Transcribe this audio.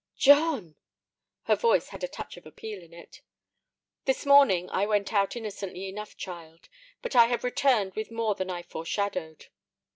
"John!" Her voice had a touch of appeal in it. "This morning I went out innocently enough, child; but I have returned with more than I foreshadowed."